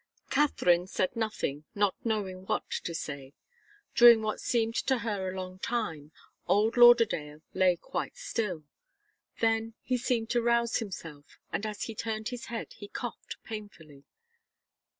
Katharine said nothing, not knowing what to say. During what seemed to her a long time, old Lauderdale lay quite still. Then he seemed to rouse himself, and as he turned his head he coughed painfully.